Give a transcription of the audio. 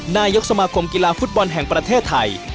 นายกสมาคมกีฬาฟุตบอลแห่งประเทศไทย